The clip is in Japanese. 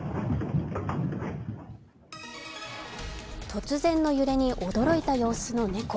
突然の揺れに驚いた様子の猫。